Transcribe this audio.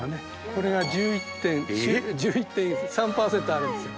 これが１１．３％あるんですよ。